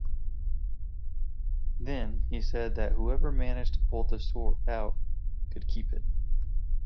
Then he said that whoever managed to pull the sword out could keep it.